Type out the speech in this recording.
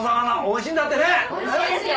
美味しいですよ。